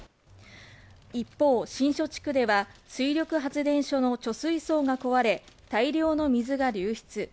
一方、新所地区では水力発電所の貯水槽が壊れ、大量の水が流出。